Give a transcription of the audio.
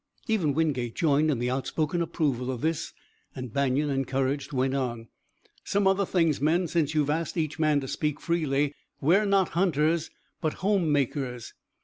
Even Wingate joined in the outspoken approval of this, and Banion, encouraged, went on: "Some other things, men, since you have asked each man to speak freely. We're not hunters, but home makers.